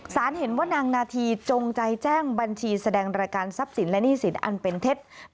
เห็นว่านางนาธีจงใจแจ้งบัญชีแสดงรายการทรัพย์สินและหนี้สินอันเป็นเท็จ